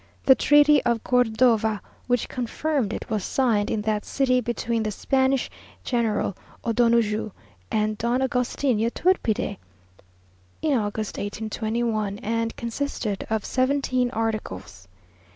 The treaty of Cordova, which confirmed it, was signed in that city between the Spanish General O'Donoju and Don Agustin Yturbide, in August 1821, and consisted of seventeen articles.